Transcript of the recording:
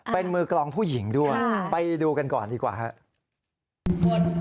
เป็นมือกลองผู้หญิงด้วยไปดูกันก่อนดีกว่าครับ